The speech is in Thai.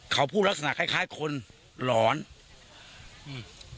เขาพูดลักษณะคล้ายคล้ายคนหลอนอืม